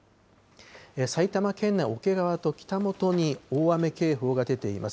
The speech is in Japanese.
埼玉県内、桶川と北本に大雨警報が出ています。